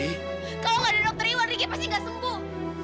jika tidak ada dokter iwan riki pasti tidak akan sembuh